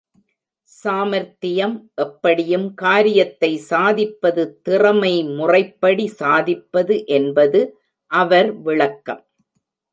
சாமர்த்தியம், எப்படியும் காரியத்தை சாதிப்பது திறமை முறைப்படி சாதிப்பது என்பது அவர் விளக்கம்.